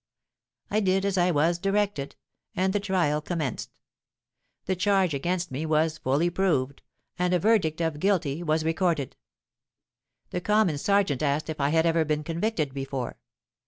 '—I did as I was directed; and the trial commenced. The charge against me was fully proved; and a verdict of Guilty was recorded. The Common Serjeant asked if I had ever been convicted before.